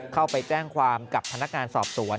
เข้าไปแจ้งความกับพนักงานสอบสวน